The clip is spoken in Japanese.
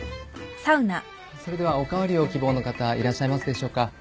それではお代わりを希望の方いらっしゃいますでしょうか？